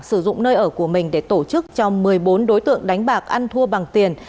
sử dụng nơi ở của mình để tổ chức cho một mươi bốn đối tượng đánh bạc ăn thua bằng tiền